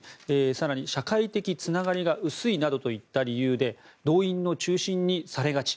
更に、社会的つながりが薄いなどといった理由で動員の中心にされがち。